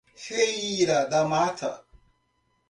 Feira da Mata